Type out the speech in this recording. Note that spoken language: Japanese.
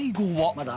まだ？